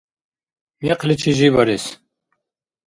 Мекъличи жибарес